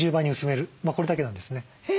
これだけなんですね。